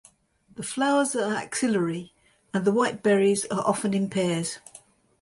The flowers are axillary and the white berries are often in pairs.